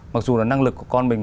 mặc dù là năng lực của con mình